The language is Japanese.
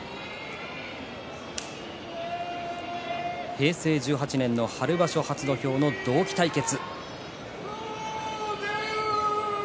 平成１８年の春場所初土俵の同期対決。